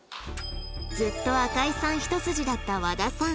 ずっと赤井さんひと筋だった和田さん